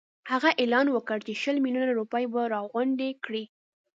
هغه اعلان وکړ چې شل میلیونه روپۍ به راغونډي کړي.